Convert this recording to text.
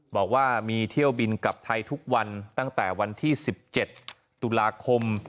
บอกว่ามีเที่ยวบินกลับไทยทุกวันตั้งแต่วันที่๑๗ตุลาคม